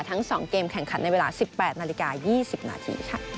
ทั้ง๒เกมแข่งขันในเวลา๑๘นาฬิกา๒๐นาทีค่ะ